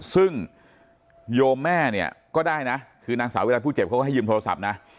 ซึ่งโยมแม่เนี่ยก็ได้นะคือนางสาวเวลาผู้เจ็บเขาก็ให้ยืมโทรศัพท์นะ